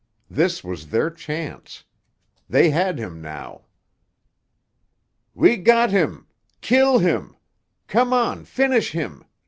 This was their chance; they had him now. "We got him! Kill him! Come on! Finish him!"